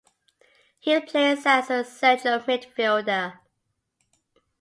He plays as a central midfielder.